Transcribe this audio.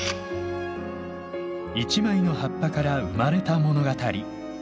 一枚の葉っぱから生まれた物語。